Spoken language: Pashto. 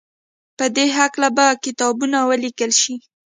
په دې هکله به کتابونه وليکل شي.